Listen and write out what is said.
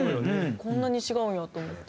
こんなに違うんやと思って。